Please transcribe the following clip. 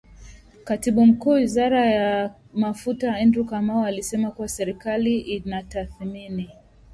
Katibu Mkuu wa Wizara ya Mafuta Andrew Kamau alisema kuwa serikali inatathmini